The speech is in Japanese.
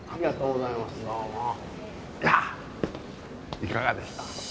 いかがでした？